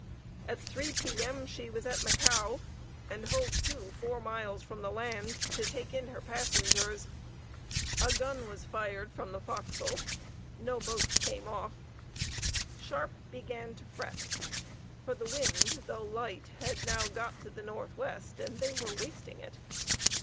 At three P.M. she was at Macao, and hove to four miles from the land, to take in her passengers. A gun was fired from the forecastle. No boats came off. Sharpe began to fret: for the wind, though light, had now got to the N.W., and they were wasting it.